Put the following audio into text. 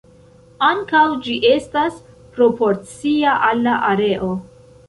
Ankaŭ ĝi estas proporcia al la areo.